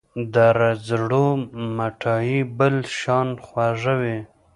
د رځړو مټايي بل شان خوږه وي